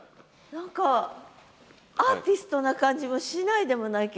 何かアーティストな感じもしないでもないけど。